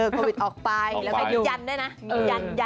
โควิดออกไปแล้วก็ยันด้วยนะ